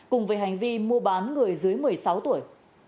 tại hành vi mua bán người dưới một mươi sáu tuổi